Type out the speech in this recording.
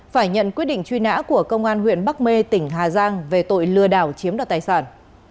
phải nhận quyết định truy nã của công an huyện bắc mê tỉnh hà giang về tội lừa đảo chiếm đoạt tài sản